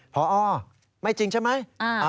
พอไม่จริงใช่ไหม